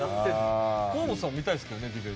河本さんも見たいですけどねディベート。